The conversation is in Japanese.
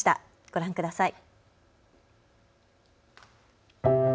ご覧ください。